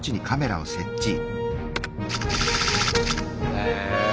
へえ。